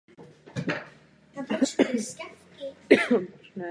Za druhé světové války se zapojil do Slovenského národního povstání.